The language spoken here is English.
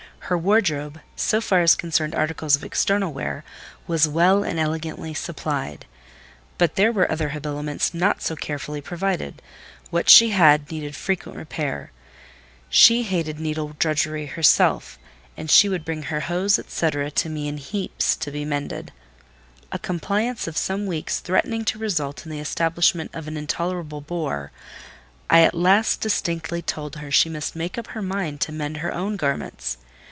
Her wardrobe, so far as concerned articles of external wear, was well and elegantly supplied; but there were other habiliments not so carefully provided: what she had, needed frequent repair. She hated needle drudgery herself, and she would bring her hose, &c. to me in heaps, to be mended. A compliance of some weeks threatening to result in the establishment of an intolerable bore—I at last distinctly told her she must make up her mind to mend her own garments.